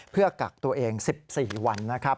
เพื่อกักตัวเอง๑๔วันนะครับ